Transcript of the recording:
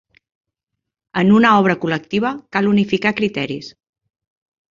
En una obra col·lectiva cal unificar criteris.